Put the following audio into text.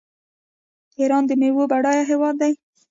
ایران د میوو بډایه هیواد دی.